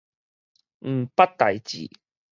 毋捌代誌